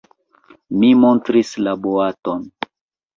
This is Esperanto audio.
Mi montris la boaton.